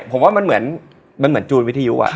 ผมว่ามันเหมือนจูนวิทยุ